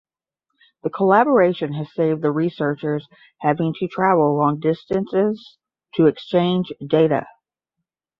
The collaboration has saved the researchers having to travel long distances to exchange data.